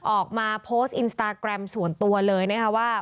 ออกมาโพสต์อินสตาแกรมส่วนตัวเลยนะคะว่า